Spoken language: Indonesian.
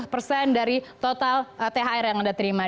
lima persen dari total thr yang anda terima